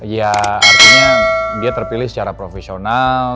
ya artinya dia terpilih secara profesional